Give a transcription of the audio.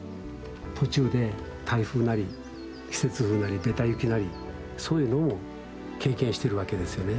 途中で台風なり季節風なりべた雪なりそういうのも経験してるわけですよね。